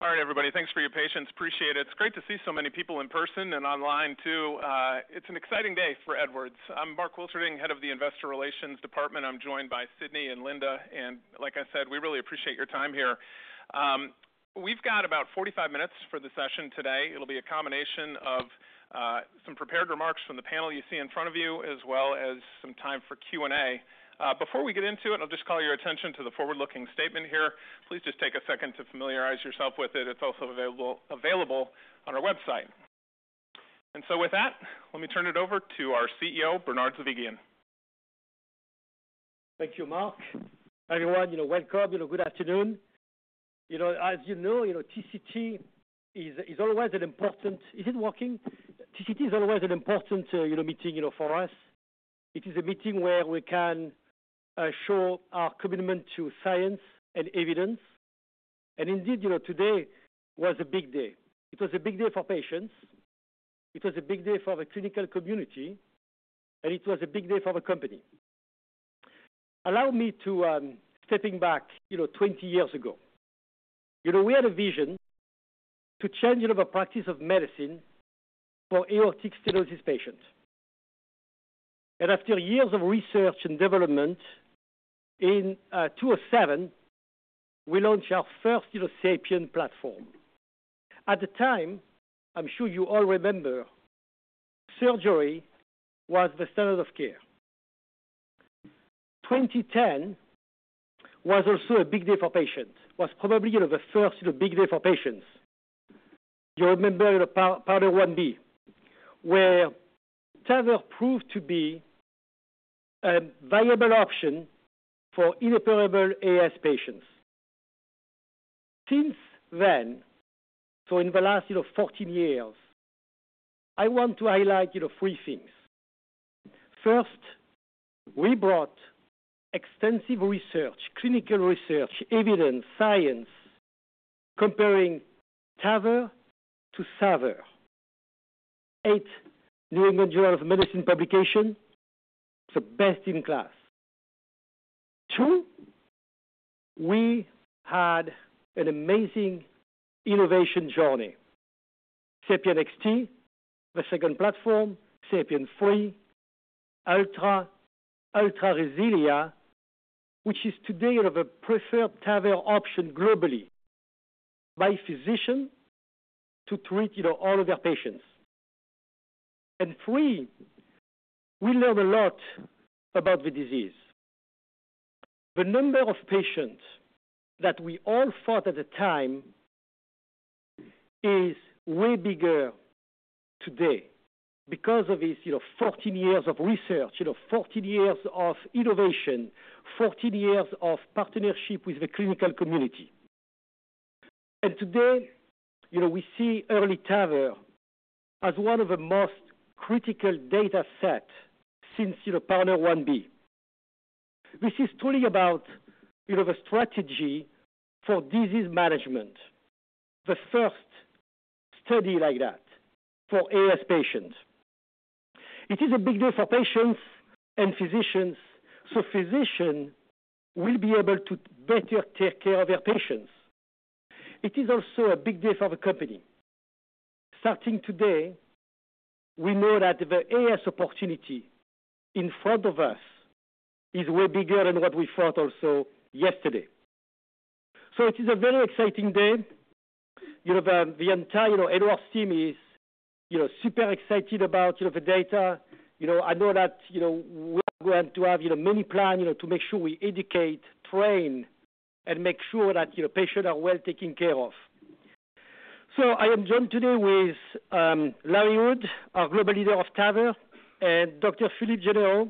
All right, everybody, thanks for your patience. Appreciate it. It's great to see so many people in person and online, too. It's an exciting day for Edwards. I'm Mark Wilterding, Head of Investor Relations. I'm joined by Sidney and Linda, and like I said, we really appreciate your time here. We've got about 45 minutes for the session today. It'll be a combination of some prepared remarks from the panel you see in front of you, as well as some time for Q&A. Before we get into it, I'll just call your attention to the forward-looking statement here. Please just take a second to familiarize yourself with it. It's also available on our website. And so with that, let me turn it over to our CEO, Bernard Zovighian. Thank you, Mark. Everyone, you know, welcome, good afternoon. You know, as you know, TCT is always an important, you know, meeting, you know, for us. It is a meeting where we can show our commitment to science and evidence. And indeed, you know, today was a big day. It was a big day for patients. It was a big day for the clinical community, and it was a big day for the company. Allow me to stepping back, you know, twenty years ago. You know, we had a vision to change, you know, the practice of medicine for aortic stenosis patients. And after years of research and development, in 2007, we launched our first, you know, SAPIEN platform. At the time, I'm sure you all remember, surgery was the standard of care. 2010 was also a big day for patients. It was probably, you know, the first big day for patients. You remember the PARTNER 1B, where TAVR proved to be a viable option for inoperable AS patients. Since then, so in the last 14 years, I want to highlight three things. First, we brought extensive research, clinical research, evidence, science, comparing TAVR to SAVR. Eight New England Journal of Medicine publication, so best in class. Two, we had an amazing innovation journey. SAPIEN XT, the second platform, SAPIEN 3, Ultra, Ultra RESILIA, which is today, the preferred TAVR option globally by physician to treat, you know, all of their patients. And three, we learned a lot about the disease. The number of patients that we all thought at the time is way bigger today because of this fourteen years of research, fourteen years of innovation, fourteen years of partnership with the clinical community. Today, you know, we see EARLY TAVR as one of the most critical data set since, you know, PARTNER-1B. This is truly about, you know, the strategy for disease management, the first study like that for AS patients. It is a big day for patients and physicians, so physicians will be able to better take care of their patients. It is also a big day for the company. Starting today, we know that the AS opportunity in front of us is way bigger than what we thought also yesterday. So it is a very exciting day. You know, the entire Edwards team is, you know, super excited about the data. You know, I know that, you know, we are going to have many plans, you know, to make sure we educate, train, and make sure that your patients are well taken care of. So I am joined today with Larry Wood, our Global Leader of TAVR, and Dr. Philippe Genereux,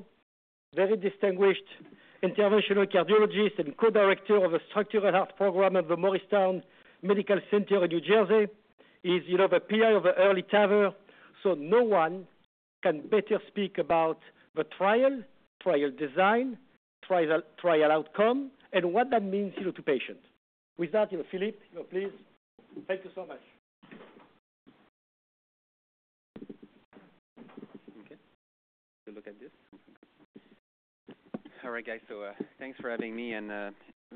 very distinguished interventional cardiologist and Co-director of the Structural Heart Program at the Morristown Medical Center in New Jersey. He's, you know, the PI of the EARLY TAVR, so no one can better speak about the trial design, trial outcome, and what that means, you know, to patients. With that, Philippe, please. Thank you so much. Okay, let's look at this. All right, guys, thanks for having me and,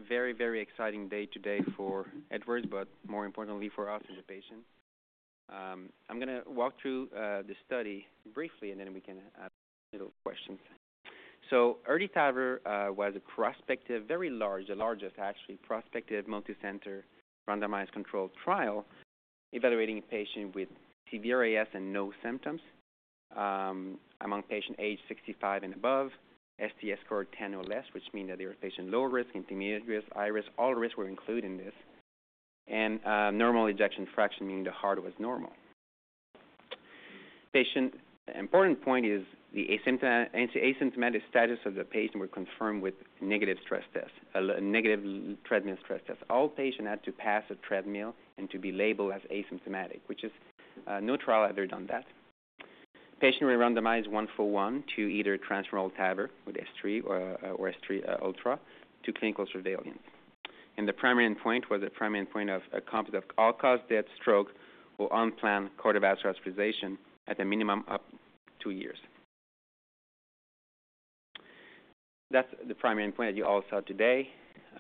very, very exciting day today for Edwards, but more importantly for us and the patients. I'm going to walk through the study briefly, and then we can ask questions, so EARLY TAVR was a prospective, very large, the largest actually, prospective, multicenter randomized controlled trial, evaluating a patient with severe AS and no symptoms, among patients aged 65 and above, STS score 10 or less, which means that there are patients low risk, intermediate risk, high risk. All risks were included in this and normal ejection fraction, meaning the heart was normal. Patient-- important point is the asymptomatic status of the patient were confirmed with negative stress test, negative treadmill stress test. All patients had to pass a treadmill and to be labeled as asymptomatic, which is no trial ever done that. Patients were randomized one for one to either transcatheter TAVR with S3 or S3 Ultra to clinical surveillance. The primary endpoint was the primary endpoint of a composite of all-cause death, stroke, or unplanned cardiovascular hospitalization at a minimum of two years. That's the primary endpoint you all saw today.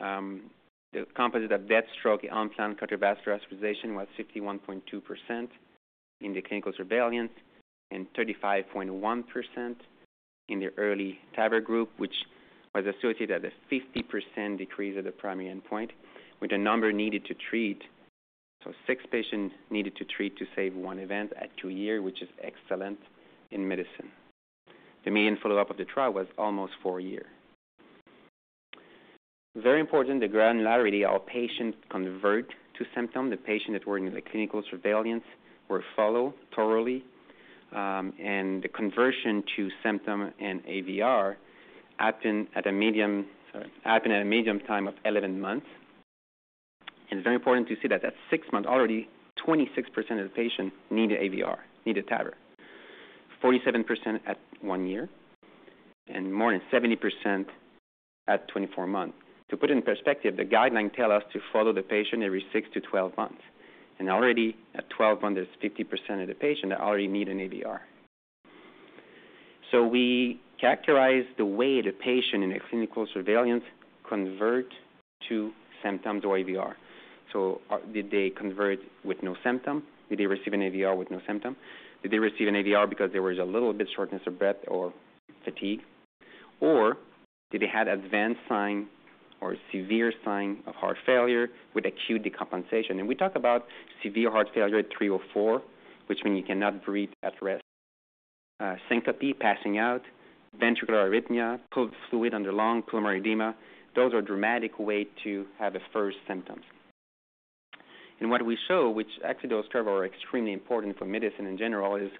The composite of death, stroke, unplanned cardiovascular hospitalization was 51.2% in the clinical surveillance and 35.1% in the EARLY TAVR group, which was associated with a 50% decrease of the primary endpoint, with the number needed to treat. Six patients needed to treat to save one event at two years, which is excellent in medicine. The mean follow-up of the trial was almost four years. Very important, the granularity, our patients convert to symptom. The patients that were in the clinical surveillance were followed thoroughly, and the conversion to symptom and AVR happened at a median time of 11 months. It's very important to see that at six months, already, 26% of the patients need AVR, need a TAVR. 47% at one year and more than 70% at 24 months. To put it in perspective, the guidelines tell us to follow the patient every six to 12 months, and already at 12 months, there's 50% of the patients that already need an AVR. We characterize the way the patient in a clinical surveillance convert to symptom, to AVR. Did they convert with no symptom? Did they receive an AVR with no symptom? Did they receive an AVR because there was a little bit of shortness of breath or fatigue? Or did they have advanced signs or severe signs of heart failure with acute decompensation? And we talk about severe heart failure at three or four, which means you cannot breathe at rest. Syncope, passing out, ventricular arrhythmia, fluid on the lungs, pulmonary edema. Those are dramatic ways to have the first symptoms. And what we show, which actually those are extremely important for medicine in general, is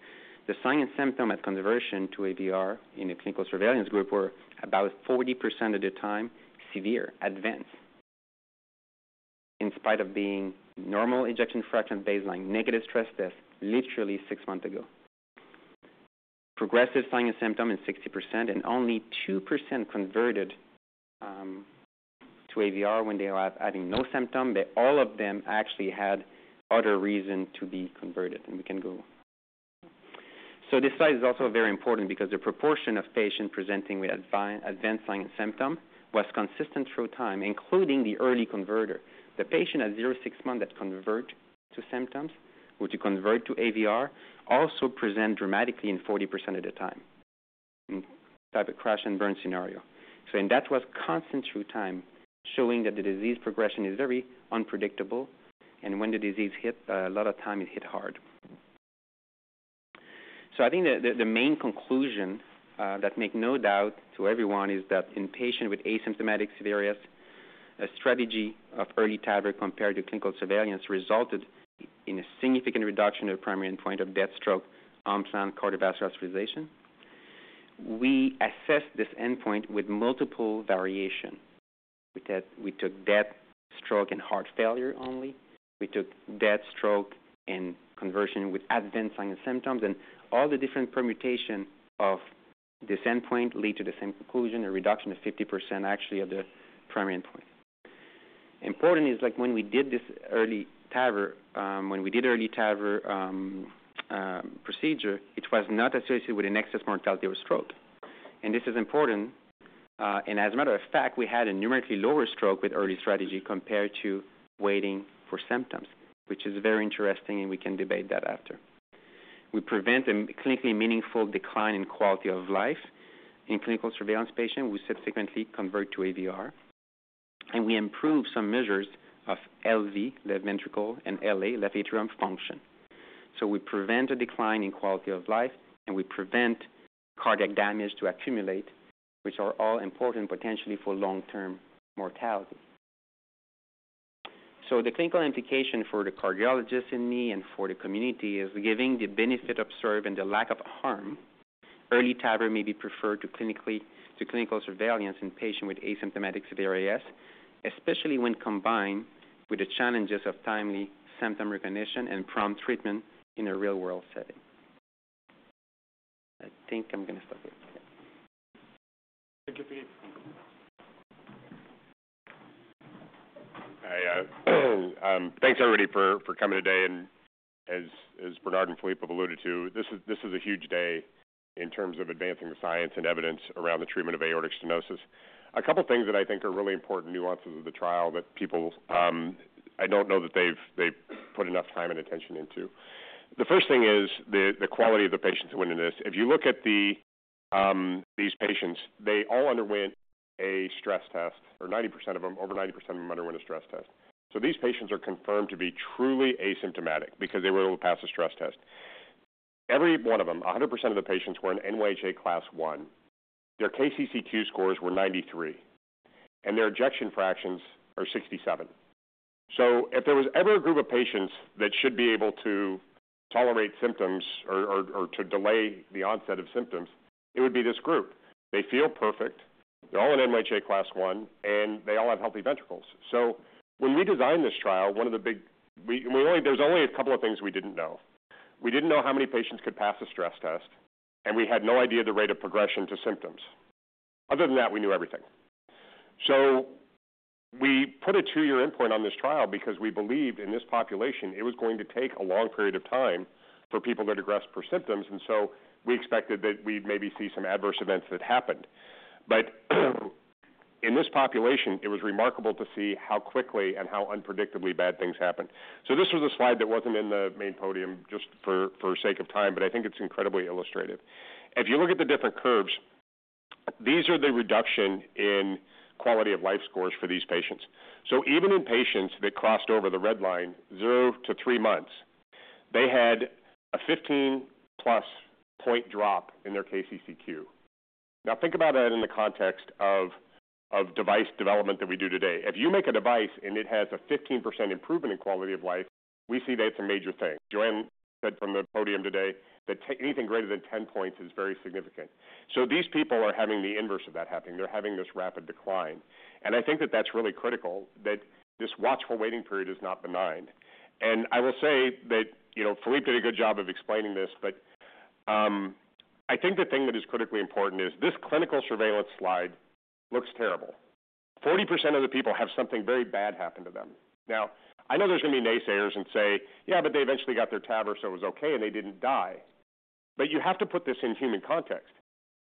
the signs and symptoms at conversion to AVR in a clinical surveillance group were about 40% of the time severe, advanced. In spite of being normal ejection fraction, baseline, negative stress test literally six months ago. Progressive signs and symptoms in 60% and only 2% converted to AVR when they are having no symptoms, but all of them actually had other reasons to be converted. We can go on. This slide is also very important because the proportion of patients presenting with advanced signs and symptoms was consistent through time, including the early converters. The patients at 0-6 months that convert to symptoms, which convert to AVR, also present dramatically 40% of the time in a type of crash and burn scenario. And that was constant through time, showing that the disease progression is very unpredictable, and when the disease hit, a lot of time it hit hard. So I think the main conclusion that makes no doubt to everyone is that in patients with asymptomatic severe AS, a strategy of EARLY TAVR compared to clinical surveillance resulted in a significant reduction in the primary endpoint of death, stroke, unplanned cardiovascular hospitalization. We assessed this endpoint with multiple variations. We took death, stroke, and heart failure only. We took death, stroke, and conversion with advanced signs and symptoms, and all the different permutations of this endpoint lead to the same conclusion, a reduction of 50% actually of the primary endpoint. Important is like when we did this EARLY TAVR procedure, it was not associated with an excess mortality or stroke. This is important, and as a matter of fact, we had a numerically lower stroke with early strategy compared to waiting for symptoms, which is very interesting, and we can debate that after. We prevent a clinically meaningful decline in quality of life in clinical surveillance patients, we subsequently convert to AVR, and we improve some measures of LV, left ventricle, and LA, left atrium function. We prevent a decline in quality of life, and we prevent cardiac damage to accumulate, which are all important potentially for long-term mortality. The clinical indication for the cardiologist in me and for the community is giving the benefit observed and the lack of harm. EARLY TAVR may be preferred to clinically, to clinical surveillance in patients with asymptomatic severe AS, especially when combined with the challenges of timely symptom recognition and prompt treatment in a real-world setting. I think I'm going to stop there. Thank you, Philippe. Thanks, everybody for coming today. As Bernard and Philippe have alluded to, this is a huge day in terms of advancing the science and evidence around the treatment of aortic stenosis. A couple of things that I think are really important nuances of the trial that people, I don't know that they've put enough time and attention into. The first thing is the quality of the patients who went in this. If you look at these patients, they all underwent a stress test, or 90% of them, over 90% of them underwent a stress test. So these patients are confirmed to be truly asymptomatic because they were able to pass a stress test. Every one of them, 100% of the patients, were in NYHA Class one. Their KCCQ scores were 93, and their ejection fractions are 67. So if there was ever a group of patients that should be able to tolerate symptoms or to delay the onset of symptoms, it would be this group. They feel perfect. They're all in NYHA Class one, and they all have healthy ventricles. So when we designed this trial, one of the big things. We only—there's only a couple of things we didn't know. We didn't know how many patients could pass a stress test, and we had no idea the rate of progression to symptoms. Other than that, we knew everything. So we put a two-year endpoint on this trial because we believed in this population, it was going to take a long period of time for people to develop symptoms, and so we expected that we'd maybe see some adverse events that happened. But in this population, it was remarkable to see how quickly and how unpredictably bad things happened. So this was a slide that wasn't in the main podium just for sake of time, but I think it's incredibly illustrative. If you look at the different curves, these are the reduction in quality of life scores for these patients. So even in patients that crossed over the red line, zero to three months, they had a 15-plus point drop in their KCCQ. Now think about that in the context of device development that we do today. If you make a device and it has a 15% improvement in quality of life, we see that it's a major thing. Joanne said from the podium today that anything greater than 10 points is very significant. So these people are having the inverse of that happening. They're having this rapid decline, and I think that that's really critical, that this watchful waiting period is not benign, and I will say that, you know, Philippe did a good job of explaining this, but I think the thing that is critically important is this clinical surveillance slide looks terrible. 40% of the people have something very bad happen to them. Now, I know there's going to be naysayers and say, "Yeah, but they eventually got their TAVR, so it was okay and they didn't die," but you have to put this in human context.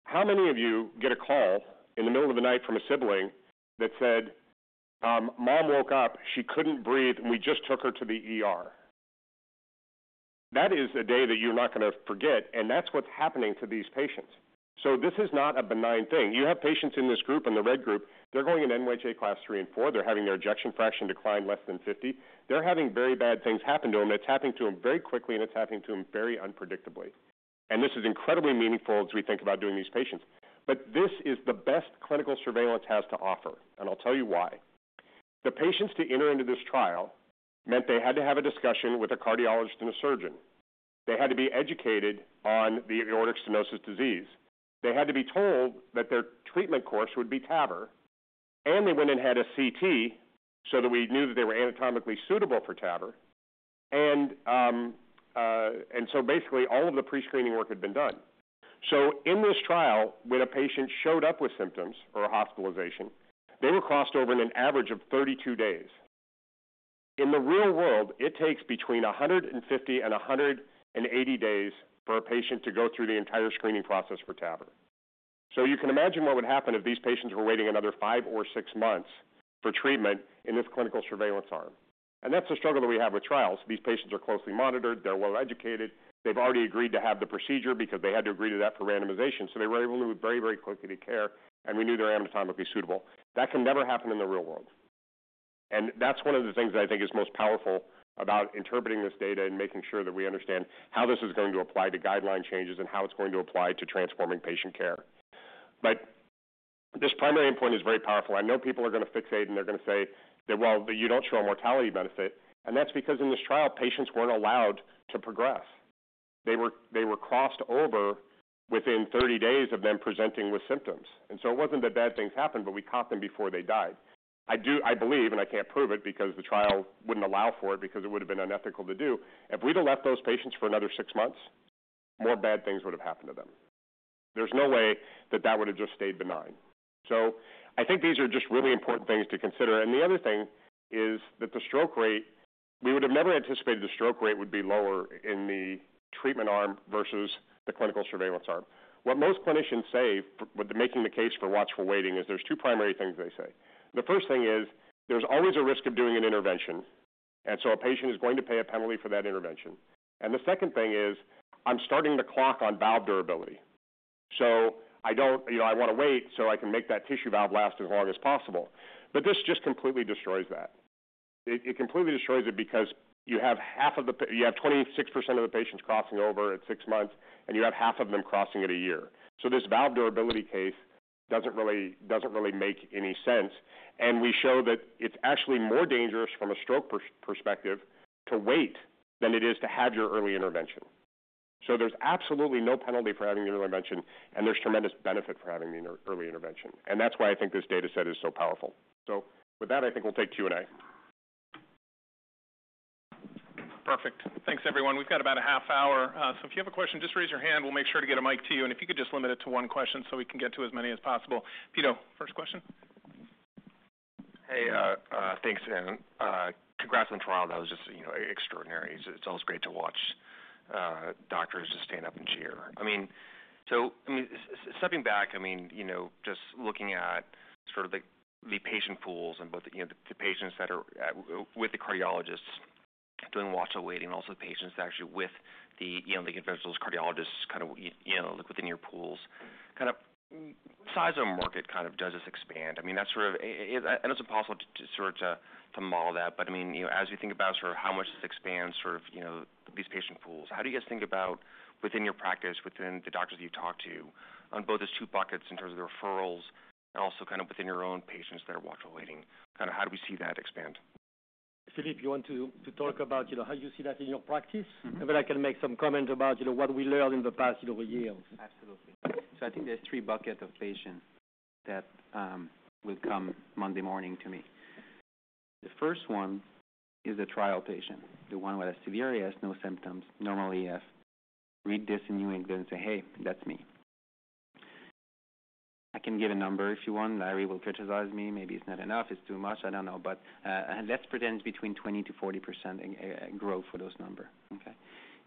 How many of you get a call in the middle of the night from a sibling that said, "Mom woke up, she couldn't breathe, and we just took her to the ER?" That is a day that you're not going to forget, and that's what's happening to these patients. So this is not a benign thing. You have patients in this group, in the red group, they're going in NYHA Class three and four. They're having their ejection fraction decline less than 50. They're having very bad things happen to them. It's happening to them very quickly, and it's happening to them very unpredictably. And this is incredibly meaningful as we think about doing these patients. But this is the best clinical surveillance has to offer, and I'll tell you why. The patients to enter into this trial meant they had to have a discussion with a cardiologist and a surgeon. They had to be educated on the aortic stenosis disease. They had to be told that their treatment course would be TAVR, and they went and had a CT so that we knew that they were anatomically suitable for TAVR. Basically, all of the pre-screening work had been done. So in this trial, when a patient showed up with symptoms or a hospitalization, they were crossed over in an average of 32 days. In the real world, it takes between 150 and 180 days for a patient to go through the entire screening process for TAVR. So you can imagine what would happen if these patients were waiting another five or six months for treatment in this clinical surveillance arm. That's the struggle that we have with trials. These patients are closely monitored, they're well educated, they've already agreed to have the procedure because they had to agree to that for randomization. So they were able to move very, very quickly to care, and we knew they were anatomically suitable. That can never happen in the real world. And that's one of the things that I think is most powerful about interpreting this data and making sure that we understand how this is going to apply to guideline changes and how it's going to apply to transforming patient care. But this primary endpoint is very powerful. I know people are going to fixate, and they're going to say that, "Well, but you don't show a mortality benefit." And that's because in this trial, patients weren't allowed to progress. They were crossed over within thirty days of them presenting with symptoms. And so it wasn't that bad things happened, but we caught them before they died. I do. I believe, and I can't prove it because the trial wouldn't allow for it because it would have been unethical to do. If we'd have left those patients for another six months, more bad things would have happened to them. There's no way that that would have just stayed benign. So I think these are just really important things to consider. And the other thing is that the stroke rate, we would have never anticipated the stroke rate would be lower in the treatment arm versus the clinical surveillance arm. What most clinicians say with making the case for watchful waiting is there's two primary things they say. The first thing is there's always a risk of doing an intervention, and so a patient is going to pay a penalty for that intervention. And the second thing is, I'm starting the clock on valve durability, so I don't, you know, I want to wait so I can make that tissue valve last as long as possible. But this just completely destroys that. It completely destroys it because you have 26% of the patients crossing over at six months, and you have half of them crossing at a year. So this valve durability case doesn't really make any sense, and we show that it's actually more dangerous from a stroke perspective to wait than it is to have your early intervention. So there's absolutely no penalty for having the early intervention, and there's tremendous benefit for having the early intervention, and that's why I think this data set is so powerful. So with that, I think we'll take Q&A. Perfect. Thanks, everyone. We've got about a half hour, so if you have a question, just raise your hand. We'll make sure to get a mic to you, and if you could just limit it to one question so we can get to as many as possible. Peter, first question? Hey, thanks, and, congrats on the trial. That was just extraordinary. It's always great to watch, doctors just stand up and cheer. I mean, so, I mean, stepping back, I mean, you know, just looking at sort of the patient pools and both the, you know, the patients that are with the cardiologists doing watch and waiting, also the patients actually with the, you know, the interventionists, cardiologists, kind of, you know, within your pools, kind of size of market kind of does this expand? I mean, that's sort of... I know it's impossible to sort of to model that, but I mean, you know, as we think about sort of how much this expands sort of, you know, these patient pools, how do you guys think about within your practice, within the doctors you talk to on both those two buckets in terms of the referrals and also kind of within your own patients that are watch and waiting? Kind of how do we see that expand? Philippe, you want to, to talk about, you know, how you see that in your practice? But I can make some comment about, you know, what we learned in the past, you know, years. Absolutely, so I think there's three buckets of patients that will come Monday morning to me. The first one is a trial patient, the one with a severe AS, no symptoms, normal EF. Read this in New England and say, "Hey, that's me." I can give a number if you want. Larry will criticize me. Maybe it's not enough, it's too much. I don't know. But let's pretend it's between 20% to 40% growth for those number, okay?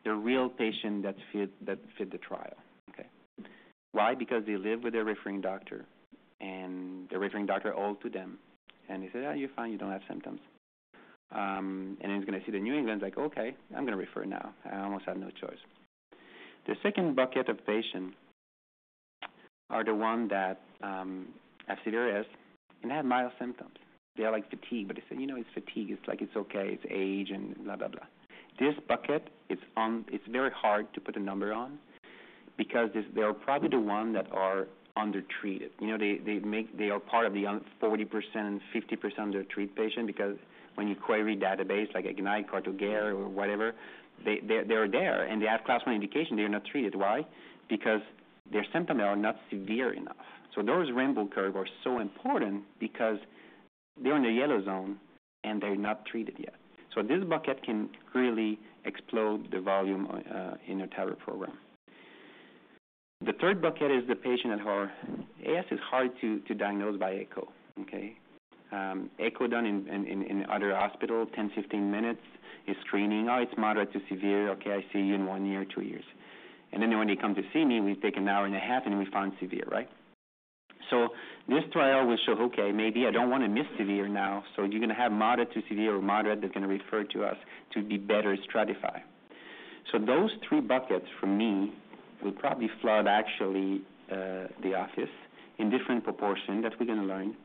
The real patient that fit the trial. Okay. Why? Because they live with their referring doctor, and the referring doctor owes to them, and they say, "Oh, you're fine. You don't have symptoms." And he's gonna see the New England like, "Okay, I'm gonna refer now. I almost have no choice." The second bucket of patients are the ones that have severe AS and have mild symptoms. They are like fatigue, but they say, "You know, it's fatigue. It's like, it's okay, it's age, and blah, blah, blah." This bucket is, it's very hard to put a number on because this, they are probably the ones that are undertreated. You know, they, they make, they are part of the 40%, 50% undertreated patients, because when you query databases, like EGNITE, CardioCare or whatever, they, they're there, and they have class one indication, they are not treated. Why? Because their symptoms are not severe enough. So those Braunwald curves are so important because they're in the yellow zone and they're not treated yet. So this bucket can really explode the volume in your TAVR program. The third bucket is the patient where AS is hard to diagnose by echo, okay? Echo done in other hospital, 10, 15 minutes is screening. "Oh, it's moderate to severe. Okay, I see you in one year, two years." And then when they come to see me, we take an hour and a half, and we find severe, right? So this trial will show, okay, maybe I don't want to miss severe now. So you're gonna have moderate to severe or moderate that's gonna refer to us to be better stratified. So those three buckets for me will probably flood actually the office in different proportion that we're gonna learn.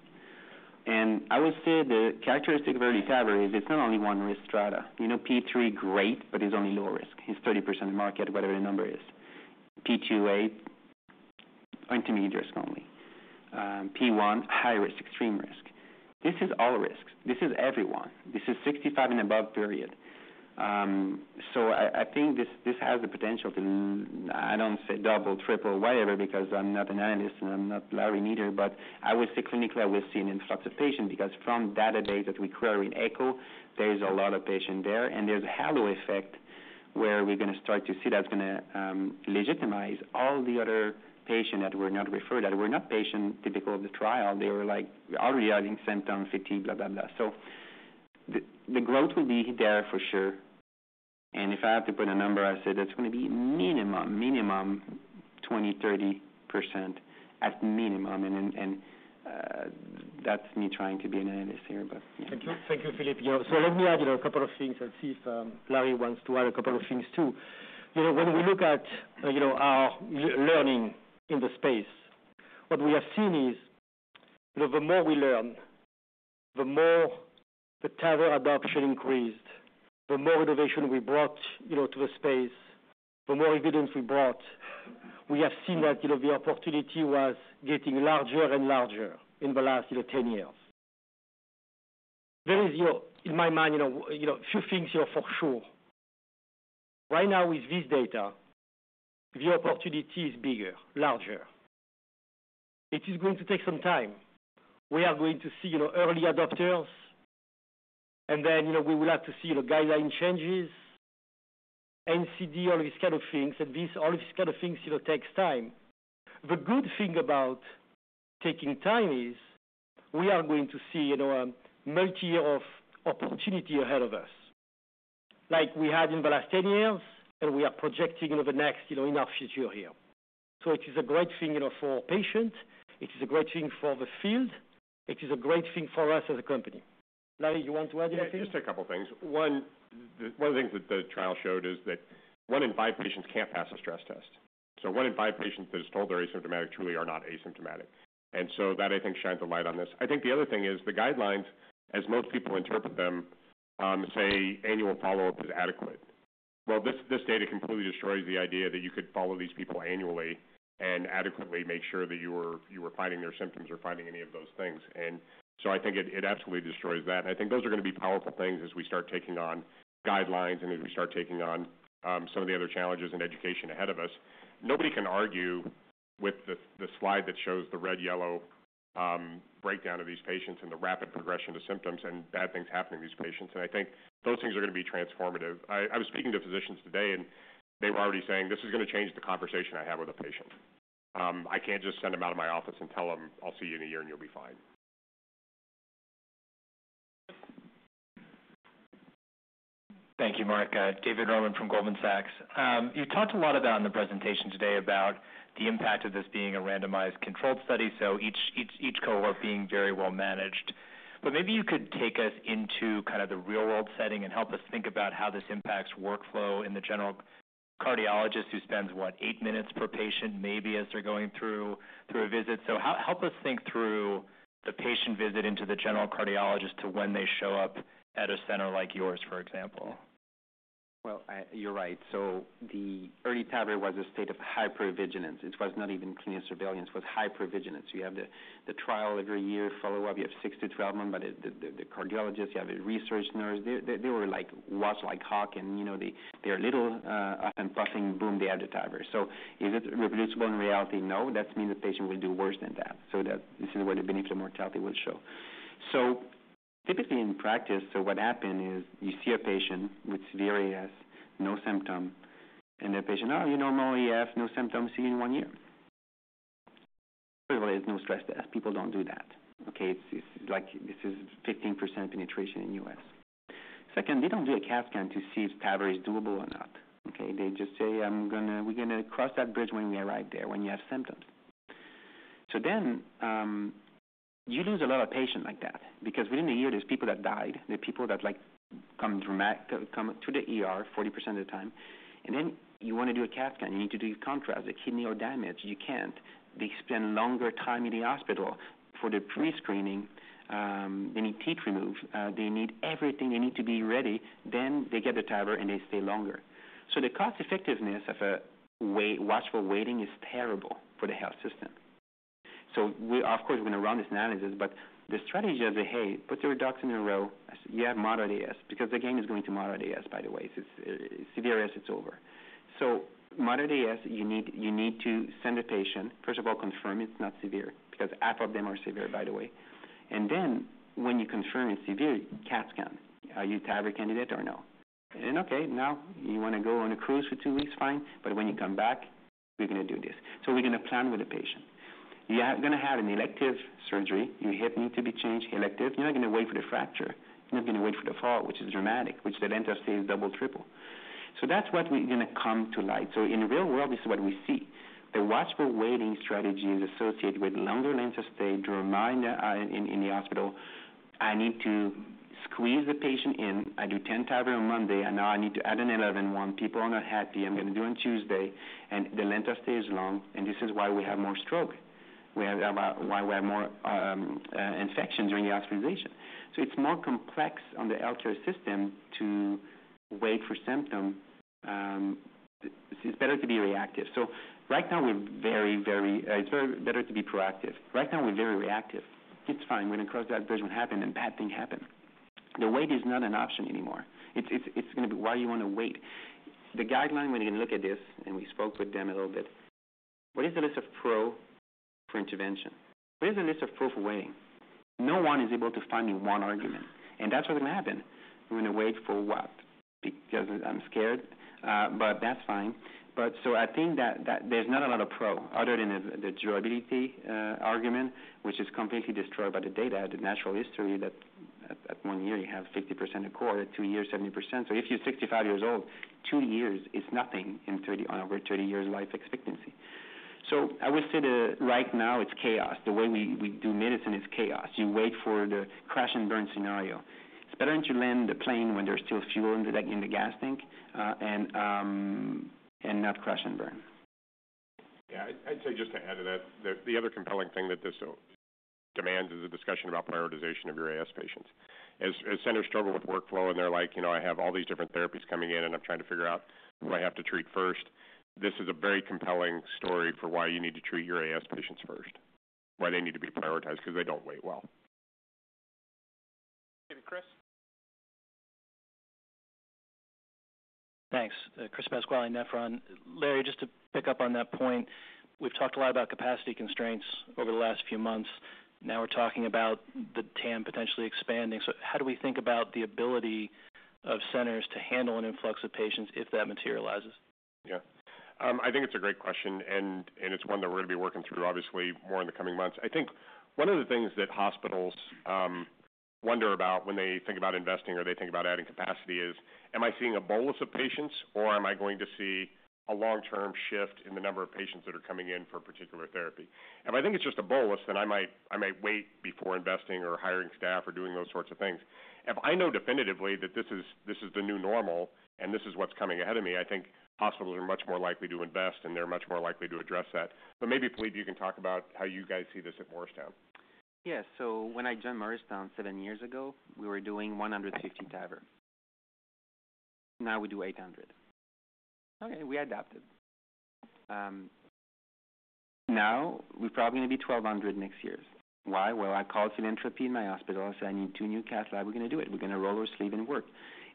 And I would say the characteristic of EARLY TAVR is it's not only one risk strata. You know, P3, great, but it's only low risk. It's 30% market, whatever the number is. P2A, intermediate risk only. P1, high risk, extreme risk. This is all risks. This is everyone. This is 65 and above. So I, I think this, this has the potential to, I don't say double, triple, whatever, because I'm not an analyst and I'm not Larry neither, but I would say clinically, I will see an influx of patients, because from database that we query in echo, there's a lot of patients there, and there's a halo effect where we're gonna start to see that's gonna legitimize all the other patients that were not referred, that were not patients typical of the trial. They were like, already having symptoms, fatigue, blah, blah, blah. So the, the growth will be there for sure. And if I have to put a number, I said, that's gonna be minimum, minimum 20-30% at minimum. That's me trying to be an analyst here, but yeah. Thank you. Thank you, Philippe. So let me add a couple of things and see if Larry wants to add a couple of things, too. You know, when we look at our learning in the space, what we have seen is, you know, the more we learn, the more the TAVR adoption increased, the more innovation we brought, you know, to the space, the more evidence we brought. We have seen that, you know, the opportunity was getting larger and larger in the last, you know, ten years. There is, you know, in my mind, you know, few things here for sure. Right now with this data, the opportunity is bigger, larger. It is going to take some time. We are going to see, you know, early adopters, and then, you know, we will have to see the guideline changes, NCD, all these kind of things, you know, takes time. The good thing about taking time is we are going to see, you know, a multitude of opportunities ahead of us, like we had in the last 10 years, and we are projecting over the next, you know, in our future here. So it is a great thing, you know, for patients, it is a great thing for the field, it is a great thing for us as a company. Larry, you want to add anything? Yeah, just a couple of things. One, one of the things that the trial showed is that one in five patients can't pass a stress test. So one in five patients that is told they're asymptomatic truly are not asymptomatic. And so that, I think, shines a light on this. I think the other thing is the guidelines, as most people interpret them, say annual follow-up is adequate. Well, this, this data completely destroys the idea that you could follow these people annually and adequately make sure that you were, you were finding their symptoms or finding any of those things. And so I think it, it absolutely destroys that. And I think those are gonna be powerful things as we start taking on guidelines and as we start taking on, some of the other challenges in education ahead of us. Nobody can argue with the slide that shows the red, yellow, breakdown of these patients and the rapid progression to symptoms and bad things happening to these patients. And I think those things are gonna be transformative. I was speaking to physicians today, and they were already saying: This is gonna change the conversation I have with a patient. I can't just send them out of my office and tell them, "I'll see you in a year and you'll be fine. Thank you, Mark. David Roman from Goldman Sachs. You talked a lot about in the presentation today about the impact of this being a randomized controlled study, so each cohort being very well managed. But maybe you could take us into kind of the real-world setting and help us think about how this impacts workflow in the general cardiologist who spends, what, eight minutes per patient, maybe, as they're going through a visit. So help us think through the patient visit into the general cardiologist to when they show up at a center like yours, for example. You're right. So the EARLY TAVR was a state of hypervigilance. It was not even clean surveillance, it was hypervigilance. You have the trial every year, follow-up, you have six to 12 months, but the cardiologist, you have a research nurse. They were like watched like hawk, and you know, they're little and puffing, boom, they have the TAVR. So is it reproducible in reality? No, that means the patient will do worse than that. So that this is where the benefit and mortality will show. Typically in practice, so what happened is you see a patient with severe AS, no symptom, and the patient, "Oh, you know, mild AS, no symptoms. See you in one year." There is no stress test. People don't do that, okay? It's like this is 15% penetration in the US. Second, they don't do a CAT scan to see if TAVR is doable or not, okay? They just say, "We're gonna cross that bridge when we arrive there, when you have symptoms." So then, you lose a lot of patient like that, because within a year, there's people that died. There are people that, like, come to the ER 40% of the time, and then you want to do a CAT scan. You need to do contrast. The kidney are damaged. You can't. They spend longer time in the hospital for the pre-screening. They need teeth removed. They need everything. They need to be ready. Then they get the TAVR, and they stay longer. So the cost-effectiveness of a wait, watchful waiting is terrible for the health system. So we, of course, we're going to run this analysis, but the strategy of, "Hey, put your ducks in a row. You have moderate AS." Because the game is going to moderate AS, by the way. It's severe AS, it's over. So moderate AS, you need, you need to send a patient. First of all, confirm it's not severe, because half of them are severe, by the way. And then when you confirm it's severe, CAT scan, are you TAVR candidate or no? And okay, now you want to go on a cruise for two weeks, fine, but when you come back, we're going to do this. So we're going to plan with the patient. You are going to have an elective surgery. Your hip need to be changed, elective. You're not going to wait for the fracture. You're not going to wait for the fall, which is dramatic, which the length of stay is double, triple. So that's what we're going to come to light. So in the real world, this is what we see. The watchful waiting strategy is associated with longer length of stay, dramatic in the hospital. I need to squeeze the patient in. I do ten TAVR on Monday, and now I need to add an eleven one. People are not happy. I'm going to do on Tuesday, and the length of stay is long, and this is why we have more stroke, why we have more infections during the hospitalization. So it's more complex on the healthcare system to wait for symptom. It's better to be reactive. So right now, we're very, very. It's very better to be proactive. Right now, we're very reactive. It's fine. We're going to cross that bridge when happen, and bad thing happen. The wait is not an option anymore. It's going to be, why you want to wait? The guideline, when you look at this, and we spoke with them a little bit, what is the list of pro for intervention? What is the list of pro for waiting? No one is able to find me one argument, and that's what going to happen. We're going to wait for what? Because I'm scared, but that's fine. But so I think that there's not a lot of pro other than the durability argument, which is completely destroyed by the data, the natural history, that at one year, you have 50% accord, at two years, 70%. So if you're sixty-five years old, two years is nothing in thirty, over thirty years life expectancy. So I would say that right now it's chaos. The way we do medicine is chaos. You wait for the crash and burn scenario. It's better to land the plane when there's still fuel in the gas tank, and not crash and burn. Yeah, I'd say just to add to that, the other compelling thing that this demands is a discussion about prioritization of your AS patients. As centers struggle with workflow, and they're like: You know, I have all these different therapies coming in, and I'm trying to figure out who I have to treat first. This is a very compelling story for why you need to treat your AS patients first, why they need to be prioritized, because they don't wait well. Chris? Thanks. Chris Pasquale, Nephron. Larry, just to pick up on that point, we've talked a lot about capacity constraints over the last few months. Now we're talking about the TAM potentially expanding. So how do we think about the ability of centers to handle an influx of patients if that materializes? Yeah. I think it's a great question, and it's one that we're going to be working through, obviously, more in the coming months. I think one of the things that hospitals wonder about when they think about investing or they think about adding capacity is: Am I seeing a bolus of patients, or am I going to see a long-term shift in the number of patients that are coming in for a particular therapy? If I think it's just a bolus, then I might wait before investing or hiring staff or doing those sorts of things. If I know definitively that this is the new normal and this is what's coming ahead of me, I think hospitals are much more likely to invest, and they're much more likely to address that. But maybe, Philippe, you can talk about how you guys see this at Morristown. Yes. So when I joined Morristown seven years ago, we were doing one hundred and fifty TAVR. Now we do eight hundred. Okay, we adapted. Now we're probably going to be twelve hundred next year. Why? Well, I called philanthropy in my hospital. I say, "I need two new cath lab." "We're going to do it. We're going to roll our sleeves and work."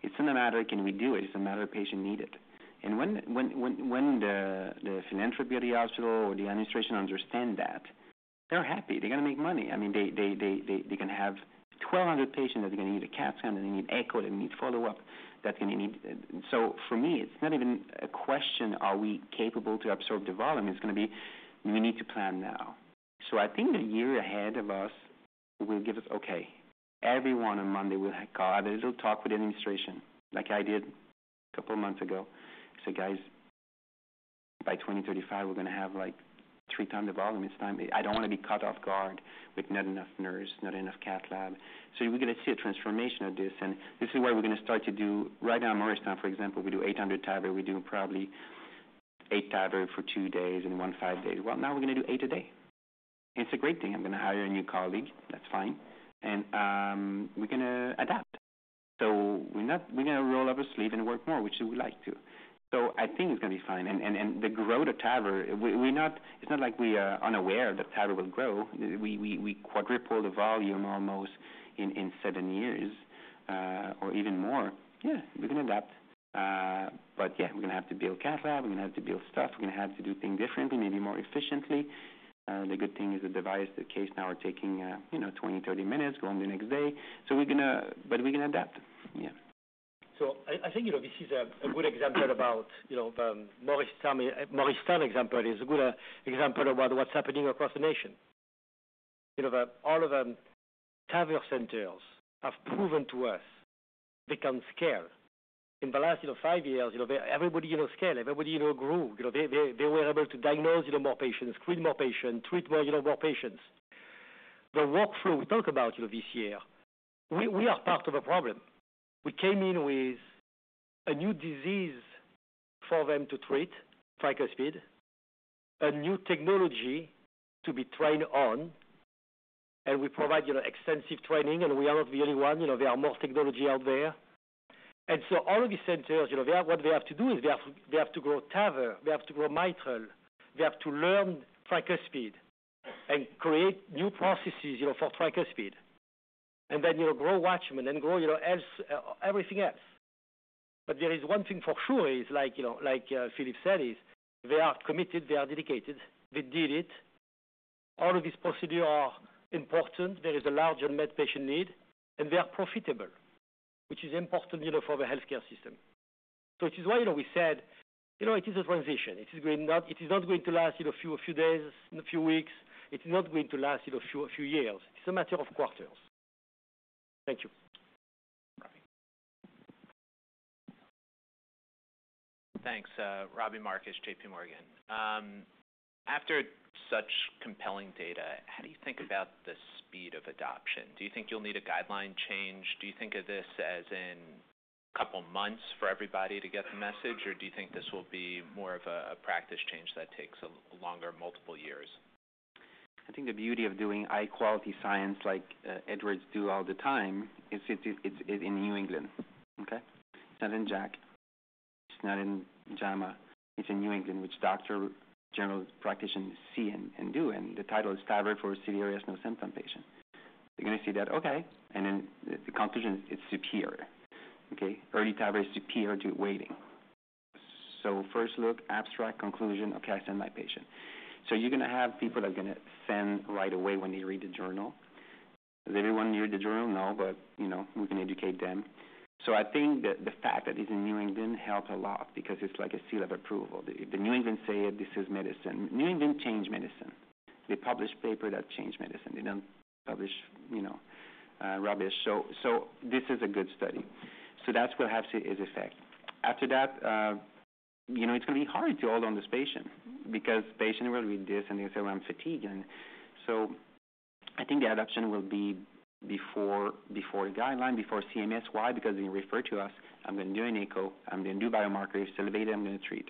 It's not a matter of can we do it? It's a matter of patients need it. And when the philanthropy of the hospital or the administration understand that, they're happy. They're going to make money. I mean, they're going to have twelve hundred patients that are going to need a CAT scan, and they need echo, they need follow-up, that's going to need... So for me, it's not even a question: are we capable to absorb the volume? It's going to be. We need to plan now, so I think the year ahead of us will give us okay. Everyone on Monday will have a little talk with the administration, like I did a couple of months ago, so guys, by twenty thirty-five, we're going to have, like, three times the volume. It's time. I don't want to be caught off guard with not enough nurse, not enough cath lab, so we're going to see a transformation of this, and this is why we're going to start to do. Right now in Morristown, for example, we do 800 TAVR. We do probably eight TAVR for two days and 15 days. Well, now we're going to do eight a day. It's a great thing. I'm going to hire a new colleague. That's fine. And we're going to adapt. So we're not. We're going to roll up our sleeve and work more, which we like to. So I think it's going to be fine. And the growth of TAVR. It's not like we are unaware that TAVR will grow. We quadruple the volume almost in 7 years, or even more. Yeah, we can adapt. But yeah, we're going to have to build cath lab, we're going to have to build staff, we're going to have to do things differently, maybe more efficiently. The good thing is the device, the case now are taking, you know, 20, 30 minutes, go on the next day. So we're gonna, but we're going to adapt. Yeah. I think, you know, this is a good example about, you know, the Morristown. Morristown example is a good example about what's happening across the nation. You know, all of the TAVR centers have proven to us they can scale. In the last five years, you know, everybody scaled, everybody grew. You know, they were able to diagnose more patients, screen more patients, treat more patients. The workflow we talk about, you know, this year, we are part of a problem. We came in with a new disease for them to treat, tricuspid, a new technology to be trained on, and we provide, you know, extensive training, and we are not the only one. You know, there are more technology out there. And so all of these centers, you know, they are. What they have to do is they have to grow TAVR, they have to grow mitral, they have to learn tricuspid and create new processes, you know, for tricuspid. And then, you know, grow Watchman and grow, you know, everything else. But there is one thing for sure, like, you know, like Philippe said, they are committed, they are dedicated, they did it. All of these procedures are important. There is a large unmet patient need, and they are profitable, which is important, you know, for the healthcare system. So it is why, you know, we said, you know, it is a transition. It is going not. It is not going to last, you know, a few days, a few weeks. It's not going to last, you know, a few years. It's a matter of quarters. Thank you. Thanks, Robbie Marcus, JP Morgan. After such compelling data, how do you think about the speed of adoption? Do you think you'll need a guideline change? Do you think of this as in a couple of months for everybody to get the message, or do you think this will be more of a practice change that takes a longer, multiple years? I think the beauty of doing high-quality science, like, Edwards do all the time, is, it's in New England. Okay? It's not in JACC, it's not in JAMA, it's in New England, which doctors, general practitioners see and do, and the title is TAVR for Severe Aortic Valve Stenosis Patient. They're going to see that, okay, and then the conclusion, it's superior. Okay? EARLY TAVR is superior to waiting. So first look, abstract conclusion. Okay, I send my patient. So you're going to have people that are going to send right away when they read the journal. Does everyone read the journal? No, but, you know, we can educate them. So I think that the fact that it's in New England helps a lot because it's like a seal of approval. If the New England say it, this is medicine. New England change medicine. They publish papers that change medicine. They don't publish, you know, rubbish. So this is a good study. So that's what has its effect. After that, you know, it's going to be hard to hold on this patient because patient will read this and they say, well, I'm fatigued. And so I think the adoption will be before the guideline, before CMS. Why? Because they refer to us, I'm going to do an echo, I'm going to do biomarkers. So the data I'm going to treat,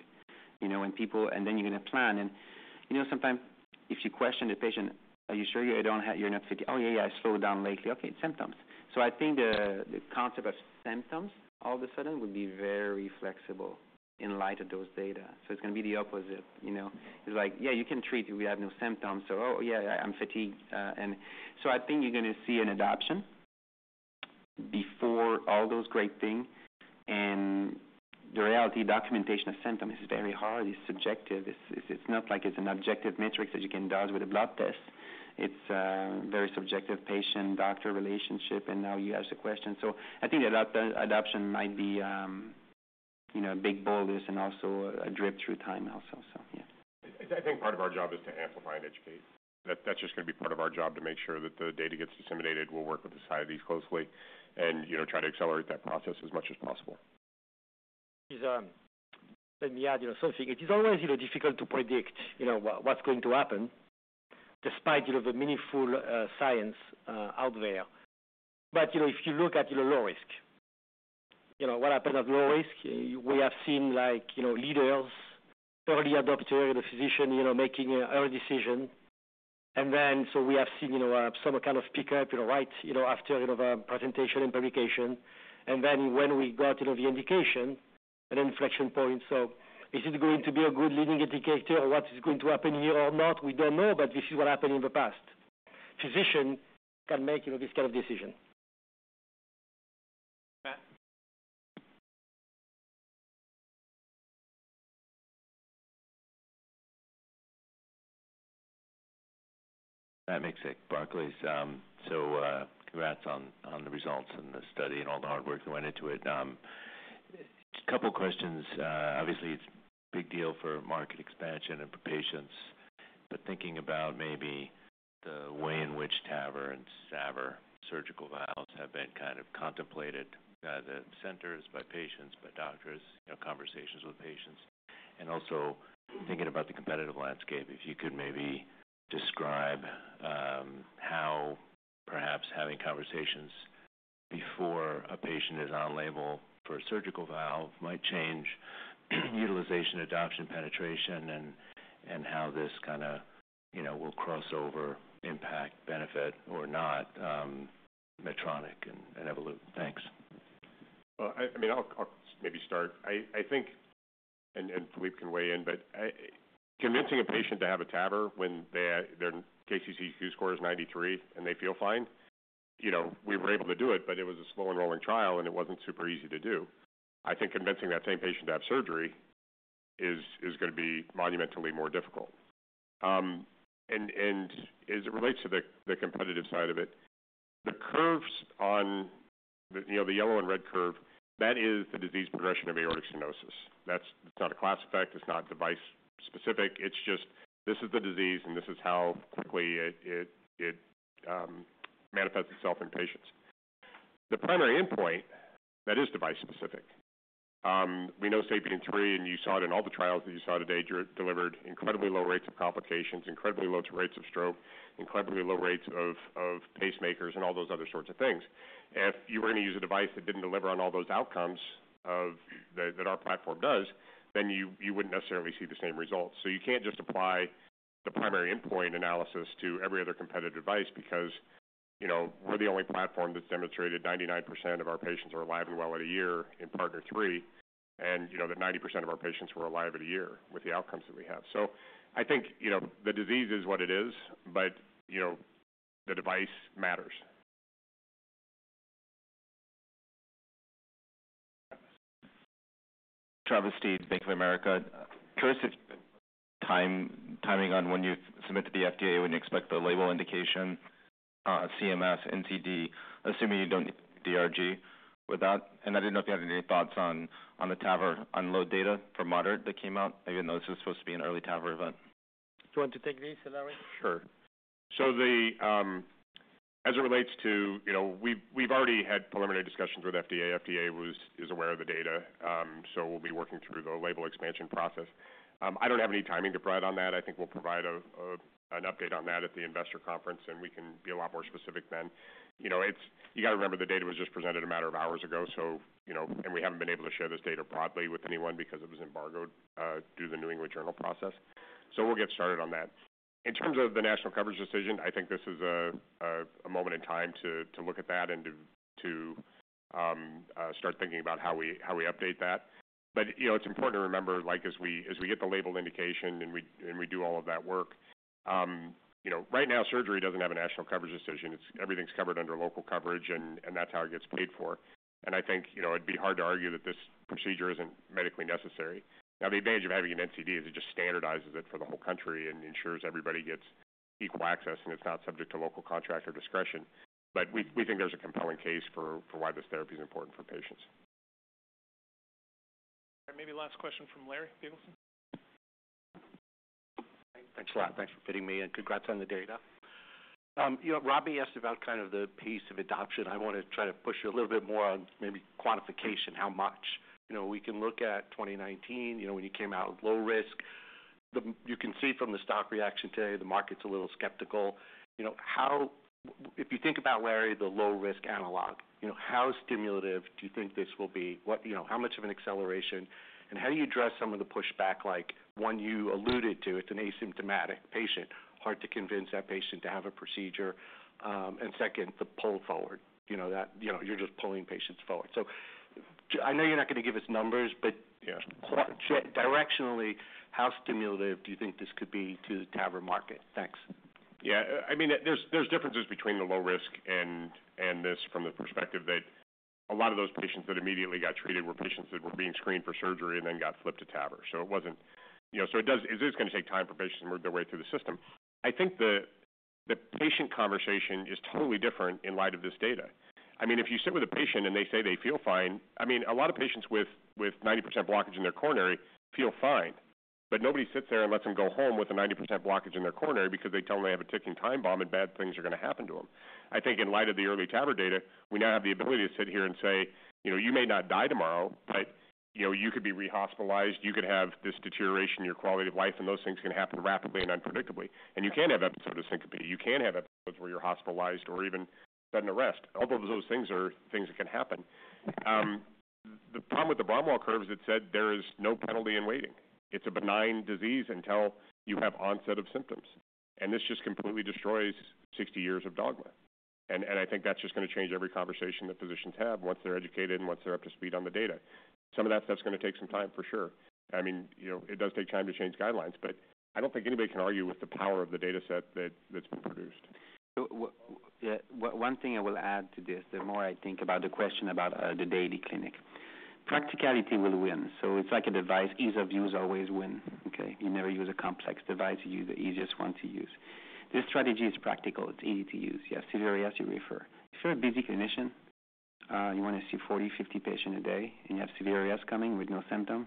you know, when people... And then you're going to plan and, you know, sometimes if you question the patient, are you sure you don't have, you're not fatigue? Oh, yeah, yeah, I slowed down lately. Okay, symptoms. So I think the concept of symptoms all of a sudden would be very flexible in light of those data. So it's going to be the opposite, you know? It's like, yeah, you can treat. We have no symptoms. So, oh, yeah, I'm fatigued. And so I think you're going to see an adoption before all those great things. And the reality, documentation of symptom is very hard. It's subjective. It's not like it's an objective metric that you can do with a blood test. It's a very subjective patient-doctor relationship, and now you ask the question. So I think the adoption might be, you know, big boulders and also a drip through time also. So, yeah. I think part of our job is to amplify and educate. That's just going to be part of our job to make sure that the data gets disseminated. We'll work with the societies closely and, you know, try to accelerate that process as much as possible. Let me add, you know, something. It is always, you know, difficult to predict, you know, what, what's going to happen despite, you know, the meaningful, science, out there. But, you know, if you look at, you know, low risk, you know, what happens at low risk? We have seen, like, you know, leaders, early adopter, the physician, you know, making a early decision. And then, so we have seen, you know, some kind of pick up, you know, right, you know, after, you know, the presentation and publication. And then when we got, you know, the indication, an inflection point. So is it going to be a good leading indicator or what is going to happen here or not? We don't know, but this is what happened in the past. Physician can make, you know, this kind of decision. Matt? Matt Miksic, Barclays. So, congrats on the results and the study and all the hard work that went into it. Couple questions. Obviously, it's a big deal for market expansion and for patients, but thinking about maybe the way in which TAVR and SAVR surgical valves have been kind of contemplated by the centers, by patients, by doctors, you know, conversations with patients, and also thinking about the competitive landscape. If you could maybe describe how perhaps having conversations before a patient is on label for a surgical valve might change utilization, adoption, penetration, and how this kind of, you know, will cross over, impact, benefit or not, Medtronic and Evolut. Thanks. I mean, I'll maybe start. I think Philippe can weigh in, but convincing a patient to have a TAVR when their KCCQ score is 93 and they feel fine, you know, we were able to do it, but it was a slow enrolling trial, and it wasn't super easy to do. I think convincing that same patient to have surgery is gonna be monumentally more difficult. And as it relates to the competitive side of it, the curves on you know the yellow and red curve, that is the disease progression of aortic stenosis. That's not a class effect, it's not device-specific. It's just this is the disease, and this is how quickly it manifests itself in patients. The primary endpoint, that is device-specific. We know SAPIEN 3, and you saw it in all the trials that you saw today. It delivered incredibly low rates of complications, incredibly low rates of stroke, incredibly low rates of pacemakers and all those other sorts of things. If you were going to use a device that didn't deliver on all those outcomes that our platform does, then you wouldn't necessarily see the same results. So you can't just apply the primary endpoint analysis to every other competitive device because, you know, we're the only platform that's demonstrated 99% of our patients are alive and well at a year in PARTNER 3, and, you know, that 90% of our patients were alive at a year with the outcomes that we have. So I think, you know, the disease is what it is, but, you know, the device matters. Travis Steed, Bank of America. Curious if timing on when you submitted to the FDA, when you expect the label indication, CMS, NCD, assuming you don't DRG with that, and I didn't know if you had any thoughts on the TAVR UNLOAD data for moderate that came out, even though this was supposed to be an EARLY TAVR event. Do you want to take this, Larry? Sure. So as it relates to, you know, we've already had preliminary discussions with FDA. FDA is aware of the data, so we'll be working through the label expansion process. I don't have any timing to provide on that. I think we'll provide an update on that at the investor conference, and we can be a lot more specific then. You know, it's... You got to remember, the data was just presented a matter of hours ago, so, you know, and we haven't been able to share this data broadly with anyone because it was embargoed through the New England Journal process. So we'll get started on that. In terms of the National Coverage Determination, I think this is a moment in time to look at that and to start thinking about how we update that. But you know, it's important to remember, like, as we get the label indication, and we do all of that work, you know, right now, surgery doesn't have a National Coverage Determination. Everything's covered under local coverage, and that's how it gets paid for. And I think, you know, it'd be hard to argue that this procedure isn't medically necessary. Now, the advantage of having an NCD is it just standardizes it for the whole country and ensures everybody gets equal access, and it's not subject to local contractor discretion. But we think there's a compelling case for why this therapy is important for patients. Maybe last question from Larry Biegelsen. Thanks a lot. Thanks for fitting me in, and congrats on the data. You know, Robbie asked about kind of the pace of adoption. I want to try to push you a little bit more on maybe quantification. How much? You know, we can look at 2019, you know, when you came out with low risk. The, you can see from the stock reaction today, the market's a little skeptical. You know, how... If you think about where is the low risk analog, you know, how stimulative do you think this will be? What, you know, how much of an acceleration, and how do you address some of the pushback, like, one you alluded to, it's an asymptomatic patient, hard to convince that patient to have a procedure. And second, the pull forward, you know, that, you know, you're just pulling patients forward. So I know you're not going to give us numbers, but- Yeah. Directionally, how stimulative do you think this could be to the TAVR market? Thanks. Yeah, I mean, there's, there's differences between the low risk and, and this from the perspective that a lot of those patients that immediately got treated were patients that were being screened for surgery and then got flipped to TAVR. So it wasn't, you know. So it does, it is going to take time for patients to work their way through the system. I think the, the patient conversation is totally different in light of this data. I mean, if you sit with a patient and they say they feel fine, I mean, a lot of patients with, with 90% blockage in their coronary feel fine, but nobody sits there and lets them go home with a 90% blockage in their coronary because they tell them they have a ticking time bomb and bad things are going to happen to them. I think in light of the EARLY TAVR data, we now have the ability to sit here and say, "You know, you may not die tomorrow, but, you know, you could be rehospitalized. You could have this deterioration in your quality of life, and those things can happen rapidly and unpredictably. And you can have episodes of syncope. You can have episodes where you're hospitalized or even sudden arrest." All of those things are things that can happen. The problem with the Braunwald curve is it said there is no penalty in waiting. It's a benign disease until you have onset of symptoms, and this just completely destroys 60 years of dogma. I think that's just going to change every conversation that physicians have once they're educated and once they're up to speed on the data. Some of that stuff's going to take some time, for sure. I mean, you know, it does take time to change guidelines, but I don't think anybody can argue with the power of the data set that that's been produced. So yeah, one thing I will add to this, the more I think about the question about the daily clinic. Practicality will win, so it's like a device, ease of use always wins, okay? You never use a complex device, you use the easiest one to use. This strategy is practical. It's easy to use. You have severe AS, you refer. If you're a busy clinician, you want to see 40, 50 patients a day, and you have severe AS coming with no symptoms,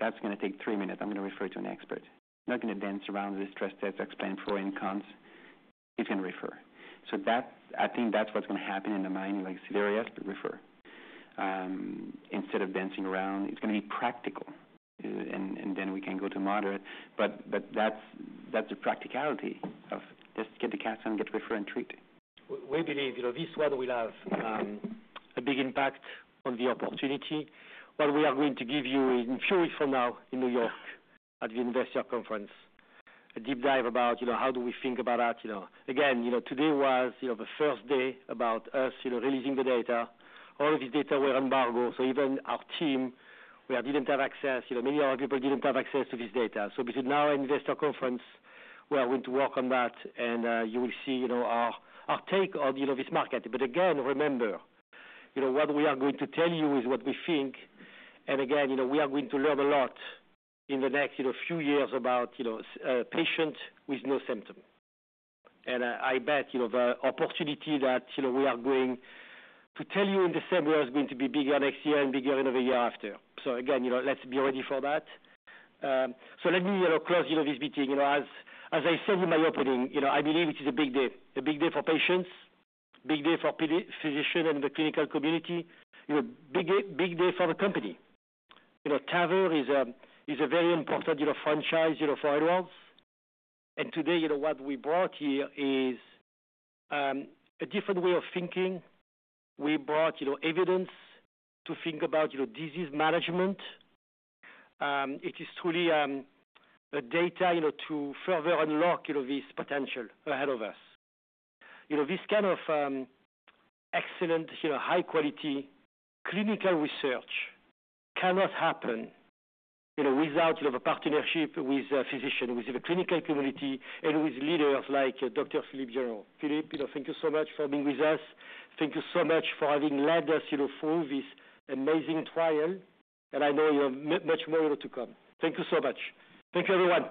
that's going to take three minutes. I'm going to refer you to an expert. I'm not going to dance around the stress tests, explain pros and cons. You can refer. So that, I think that's what's going to happen in the mind, like, severe AS, refer. Instead of dancing around, it's going to be practical, and then we can go to moderate. But that's the practicality of just get the CAT scan, get referred, and treated. We believe, you know, this one will have a big impact on the opportunity. What we are going to give you in a few weeks from now in New York at the investor conference, a deep dive about, you know, how do we think about that, you know. Again, you know, today was, you know, the first day about us, you know, releasing the data. All of this data were embargoed, so even our team, we didn't have access, you know, many other people didn't have access to this data. So between now and investor conference, we are going to work on that, and you will see, you know, our take on, you know, this market. But again, remember, you know, what we are going to tell you is what we think. And again, you know, we are going to learn a lot in the next, you know, few years about, you know, patients with no symptoms. And I bet, you know, the opportunity that, you know, we are going to tell you in December is going to be bigger next year and bigger in the year after. So again, you know, let's be ready for that. So let me, you know, close, you know, this meeting. You know, as I said in my opening, you know, I believe it is a big day, a big day for patients, big day for physicians and the clinical community. You know, big day, big day for the company. You know, TAVR is a very important, you know, franchise, you know, for Edwards. And today, you know, what we brought here is a different way of thinking. We brought, you know, evidence to think about, you know, disease management. It is truly a data, you know, to further unlock, you know, this potential ahead of us. You know, this kind of excellent, you know, high-quality clinical research cannot happen, you know, without, you know, the partnership with a physician, with the clinical community, and with leaders like Dr. Philippe Genereux. Philippe, you know, thank you so much for being with us. Thank you so much for having led us, you know, through this amazing trial, and I know you have much more to come. Thank you so much. Thank you, everyone.